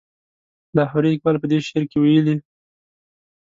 لاهوري اقبال په دې شعر کې ویلي.